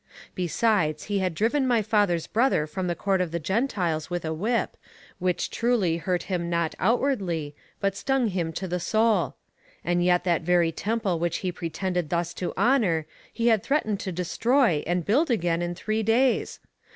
Besides, he had driven my father's brother from the court of the Gentiles with a whip, which truly hurt him not outwardly, but stung him to the soul; and yet that very temple which he pretended thus to honour, he had threatened to destroy and build again in three days!